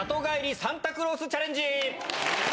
サンタクロースチャレンジ！